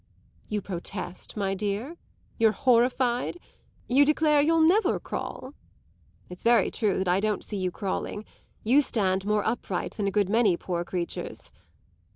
You protest, my dear? you're horrified? you declare you'll never crawl? It's very true that I don't see you crawling; you stand more upright than a good many poor creatures.